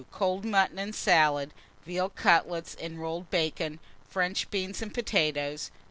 Cold mutton and salad, veal cutlets and rolled bacon, French beans and potatoes.